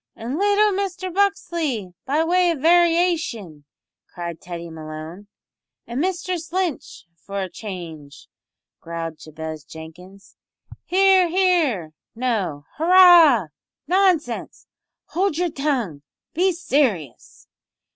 "An' little Mister Buxley, be way of variashun," cried Teddy Malone. "An' Mistress Lynch, for a change," growled Jabez Jenkins. "Hear, hear! No, no! Hurrah! Nonsense! Howld yer tongue! Be serious!"